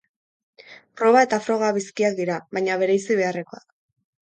Proba eta froga bizkiak dira, baina bereizi beharrekoak.